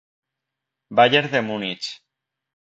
Bayern de Múnich.